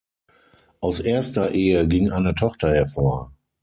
Aus erster Ehe ging eine Tochter hervor.